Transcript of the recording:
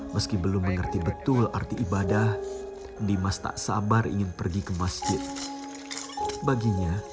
meski belum mengerti betul arti ibadah dimas tak sabar ingin pergi ke masjid baginya